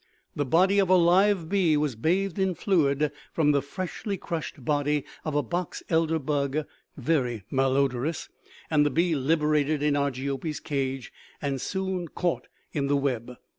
the body of a live bee was bathed in fluid from the freshly crushed body of a box elder bug [very malodorous], and the bee liberated in Argiope's cage, and soon caught in the web.